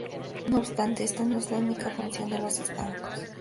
No obstante, esta no es la única función de los estancos.